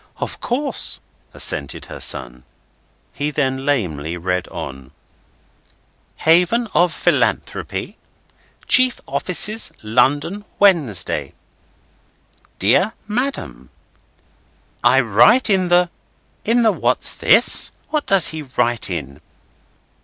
"Of course," assented her son. He then lamely read on: "'Haven of Philanthropy, Chief Offices, London, Wednesday. "'DEAR MADAM, "'I write in the—;' In the what's this? What does he write in?"